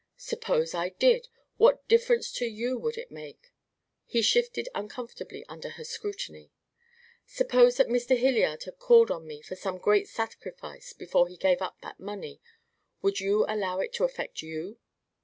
"Suppose I did. What difference to you would that make?" He shifted uncomfortably under her scrutiny. "Suppose that Mr. Hilliard had called on me for some great sacrifice before he gave up that money. Would you allow it to affect you?"